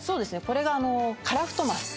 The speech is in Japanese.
これがあのカラフトマス